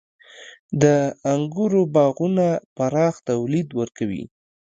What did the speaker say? • د انګورو باغونه پراخ تولید ورکوي.